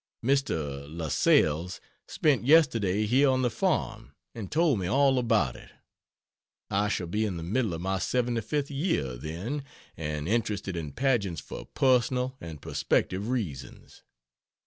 Mr. Lascelles spent yesterday here on the farm, and told me all about it. I shall be in the middle of my 75th year then, and interested in pageants for personal and prospective reasons.